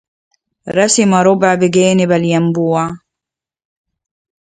رسم ربع بجانب الينبوع